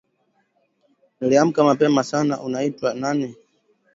Niliamka mapema sana Unaitwa nani?